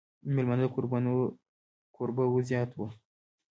مېلمانۀ د کوربنو زيات وو ـ